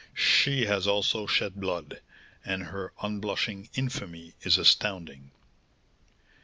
She has also shed blood, and her unblushing infamy is astounding."